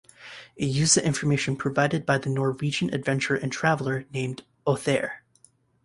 It used the information provided by the Norwegian adventurer and traveller named Ohthere.